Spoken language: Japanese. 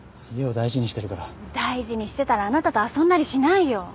大事にしてたらあなたと遊んだりしないよ。